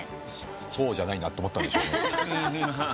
そうじゃないなと思ったんでしょうね。